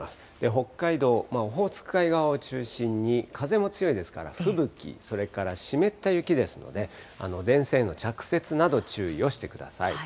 北海道、オホーツク海側を中心に風も強いですから、吹雪、それから湿った雪ですので、電線への着雪など注意をしてください。